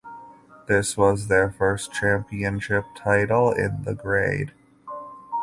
This was their first championship title in the grade.